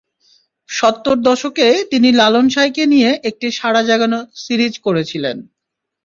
সত্তর দশকে তিনি লালন সাঁইকে নিয়ে একটি সাড়া জাগানো সিরিজ করেছিলেন।